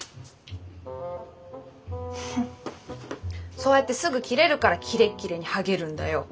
そうやってすぐキレるからキレッキレにはげるんだよ。